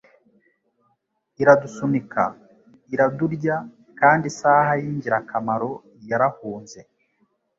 Iradusunika iradurya kandi isaha y'ingirakamaro yarahunze